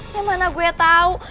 yang mana gue tahu